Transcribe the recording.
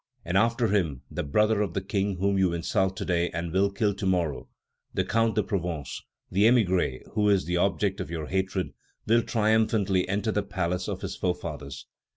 And after him, the brother of the King whom you insult to day and will kill to morrow, the Count de Provence, that émigré who is the object of your hatred, will triumphantly enter the palace of his forefathers.